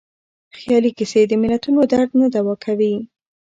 خیالي کيسې د ملتونو درد نه دوا کوي.